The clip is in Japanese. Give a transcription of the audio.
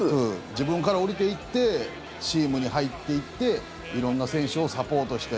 自分から降りていってチームに入っていって色んな選手をサポートして。